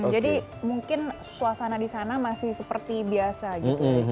jadi mungkin suasana di sana masih seperti biasa gitu